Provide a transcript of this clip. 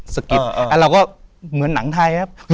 สกิดเราก็เหมือนหนังไทยครับ